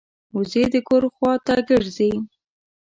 وزې د کور خوا ته ګرځي